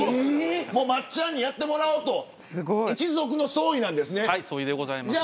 松ちゃんにやってもらおうと一族の総意なんですね。